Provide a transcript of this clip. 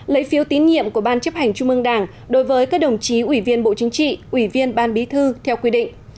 lấy phiếu tín nhiệm của ban chấp hành trung ương đảng đối với các đồng chí ủy viên bộ chính trị ủy viên ban bí thư theo quy định